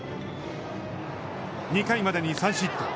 ２回までに３失点。